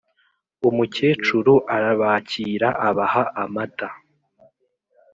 umukecuru arabakira abaha amata,